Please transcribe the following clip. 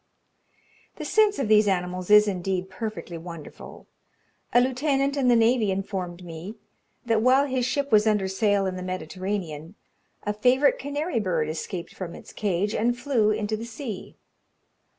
The sense of these animals is, indeed, perfectly wonderful. A lieutenant in the navy informed me, that while his ship was under sail in the Mediterranean, a favourite canary bird escaped from its cage, and flew into the sea.